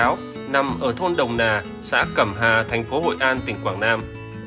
ở thôn đồng nà xã cẩm hà thành phố hội an tỉnh quảng nam